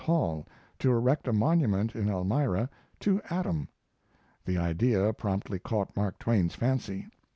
Hall to erect a monument in Elmira to Adam. The idea promptly caught Mark Twain's fancy.